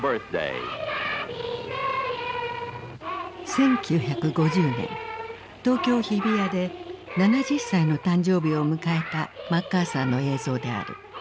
１９５０年東京・日比谷で７０歳の誕生日を迎えたマッカーサーの映像である。